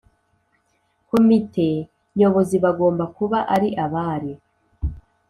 Komite Nyobozi bagomba kuba ari abari